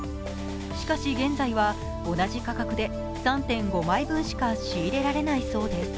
しかし現在は同じ価格で３．５枚しか仕入れられないそうです。